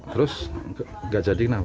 terus enggak jadi kenapa